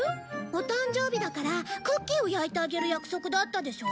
お誕生日だからクッキーを焼いてあげる約束だったでしょ？